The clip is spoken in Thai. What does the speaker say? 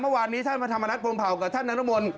เมื่อวานนี้ท่านพระธรรมนัฐพรมเผากับท่านนรมนต์